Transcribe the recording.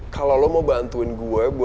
kalo lo mau bantuin gue buat deket dua sama reva